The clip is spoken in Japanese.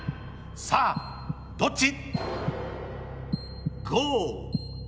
さあ、どっち？